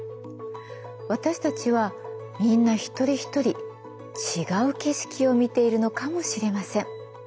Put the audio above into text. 私たちはみんな一人一人違う景色を見ているのかもしれません。